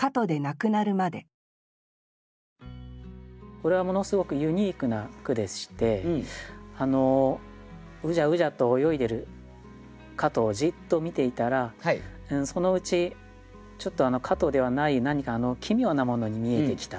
これはものすごくユニークな句でしてうじゃうじゃと泳いでる蝌蚪をじっと見ていたらそのうちちょっと蝌蚪ではない何か奇妙なものに見えてきたという句ですね。